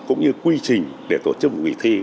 cũng như quy trình để tổ chức một nghỉ thi